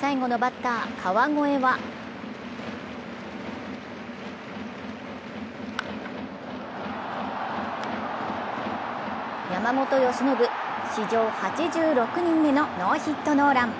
最後のバッター・川越は山本由伸、史上８６人目のノーヒットノーラン。